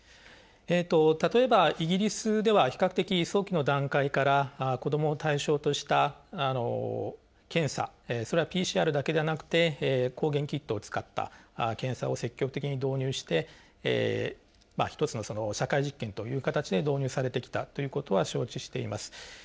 例えばイギリスでは比較的早期の段階から子どもを対象とした検査それはＰＣＲだけではなくて抗原キットを使った検査を積極的に導入して１つの社会実験という形で導入されてきたということは承知しています。